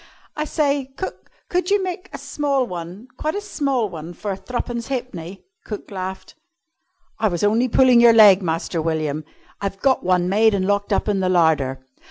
"I say, cook, could you make a small one quite a small one for threepence halfpenny?" Cook laughed. "I was only pulling your leg, Master William. I've got one made and locked up in the larder."